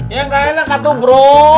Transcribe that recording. ya gak enak atau bro